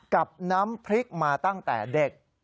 กับน้ำพริกมาตั้งแต่เด็ก